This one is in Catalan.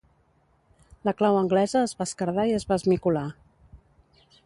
La clau anglesa es va esquerdar i es va esmicolar.